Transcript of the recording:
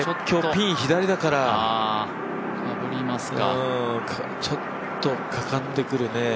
今日はピンが左だからちょっとかかってくるね。